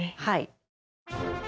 はい。